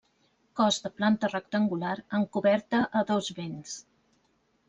Cos de planta rectangular amb coberta a dos vents.